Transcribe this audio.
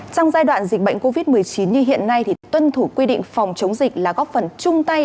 trong giai đoạn dịch bệnh covid một mươi chín như hiện nay thì tuân thủ quy định phòng chống dịch là góp phần chung tay